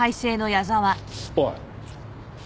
おい。